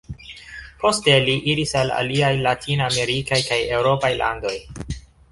Poste, li iris al aliaj Latin-amerikaj kaj Eŭropaj landoj.